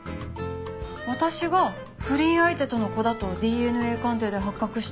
私が不倫相手との子だとＤＮＡ鑑定で発覚して。